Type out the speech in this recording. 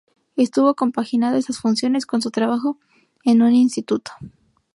Estuvo compaginando esas funciones con su trabajo en un Instituto.